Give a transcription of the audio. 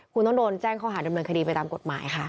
คุณต้องโดนแจ้งข้อหาดำเนินคดีไปตามกฎหมายค่ะ